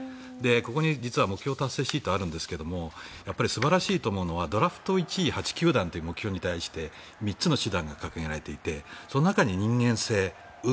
ここに実は目標達成シートがあるんですが素晴らしいと思うのはドラフト１位８球団というのに対して３つの手段が掲げられていてその中に人間性、運。